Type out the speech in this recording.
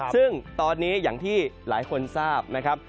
ซึ่งตอนนี้อย่างที่หลายคนทราบ